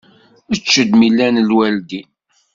Ečč-d mi llan lwaldin.